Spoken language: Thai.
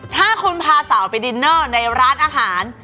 ถ้าคุณพาสาวไปดินเนอร์ในร้านอาหาร